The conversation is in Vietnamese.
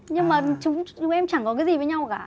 nhưng mà em chẳng có cái gì với nhau cả